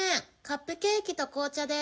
カップケーキと紅茶で。